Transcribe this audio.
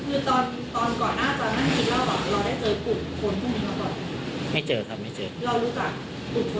คือตอนก่อนอาจารย์นั่งที่เราหรือหรือหรือ